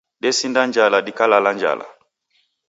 Desinda njala dikalala njala.